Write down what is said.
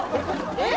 えっ。